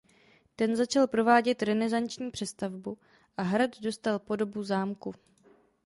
Ten začal provádět renesanční přestavbu a hrad dostal podobu zámku.